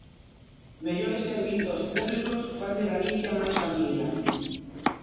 Mellores servizos públicos fan de Galicia máis familia.